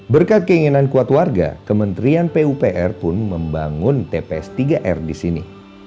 berkat keinginan kuat warga kementerian pupr pun membangun tps tiga r di sini